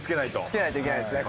つけないといけないですね